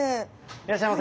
いらっしゃいませ。